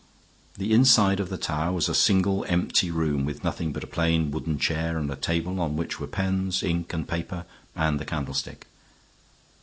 The inside of the tower was a single empty room, with nothing but a plain wooden chair and a table on which were pens, ink and paper, and the candlestick.